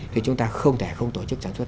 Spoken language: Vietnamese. thì chúng ta không thể không tổ chức sản xuất